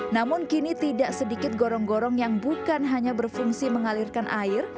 namun kini tidak sedikit gorong gorong yang bukan hanya berfungsi mengalirkan air